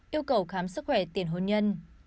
yêu cầu khám sức khỏe tiền hôn nhân